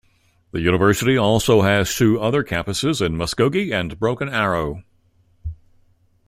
The university also has two other campuses in Muskogee and Broken Arrow.